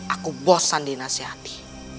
aku bosan dinasihati